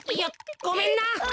ごめんな。